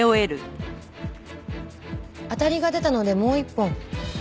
当たりが出たのでもう一本。